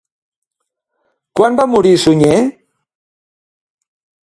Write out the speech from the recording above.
Quan va morir Suñer?